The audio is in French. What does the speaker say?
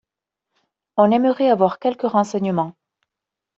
On aimerait avoir quelques renseignements.